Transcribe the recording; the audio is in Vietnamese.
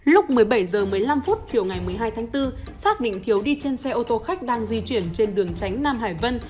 lúc một mươi bảy h một mươi năm chiều ngày một mươi hai tháng bốn xác định thiếu đi trên xe ô tô khách đang di chuyển trên đường tránh nam hải vân